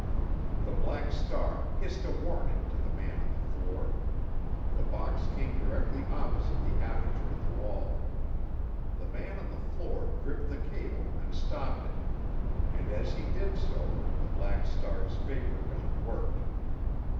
The Black Star hissed a warning to the man on the floor. The box came directly opposite the aperture in the wall. The man on the floor gripped the cable and stopped it, and as he did so the Black Star's vapor gun worked.